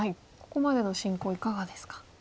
ここまでの進行いかがですか？